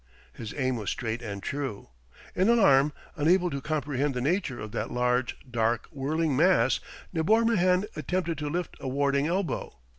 His aim was straight and true. In alarm, unable to comprehend the nature of that large, dark, whirling mass, De Morbihan attempted to lift a warding elbow.